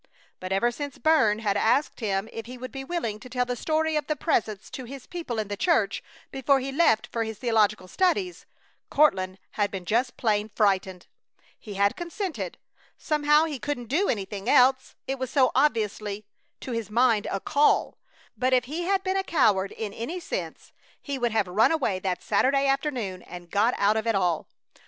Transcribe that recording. But ever since Burns had asked him if he would be willing to tell the story of the Presence to his people in the church before he left for his theological studies, Courtland had been just plain frightened. He had consented. Somehow he couldn't do anything else, it was so obviously to his mind a "call"; but if had been a coward in any sense he would have run away that Saturday afternoon and got out of it all.